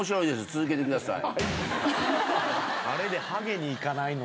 続けてください。